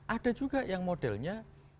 ada juga yang modelnya